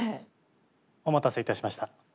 お待たせいたしました。